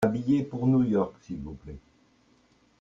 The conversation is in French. Un billet pour New York s'il vous plait.